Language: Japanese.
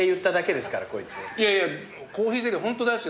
いやいやコーヒーゼリーはホント大好き。